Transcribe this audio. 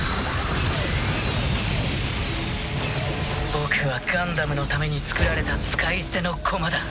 僕はガンダムのためにつくられた使い捨ての駒だ。